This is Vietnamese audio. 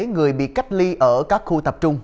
người bị cách ly ở các khu tập trung